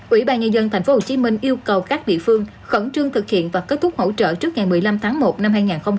ủy ban nhân dân tp hcm yêu cầu các địa phương khẩn trương thực hiện và kết thúc hỗ trợ trước ngày một mươi năm tháng một năm hai nghìn hai mươi